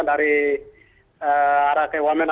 dari rakyat wamen